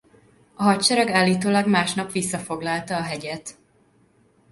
A hadsereg állítólag másnap visszafoglalta a hegyet.